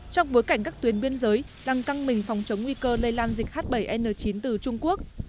trong bối cảnh các tuyến biên giới đang căng mình phòng chống nguy cơ lây lan dịch h bảy n chín từ trung quốc